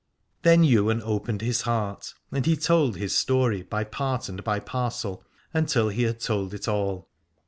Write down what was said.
Then Ywain opened his heart, and he told his story by part and by parcel, until he had told it all.